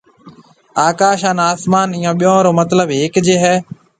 آڪاش هانَ آسمان اِيئون ٻيئون رو مطلب ھيَََڪج ھيََََ۔